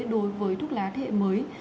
đối với thuốc lá thế hệ mới